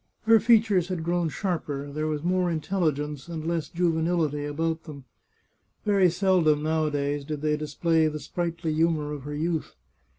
Her features had grown sharper; there was more intelligence, and less juve nility, about them. Very seldom, nowadays, did they display the sprightly humour of her youth.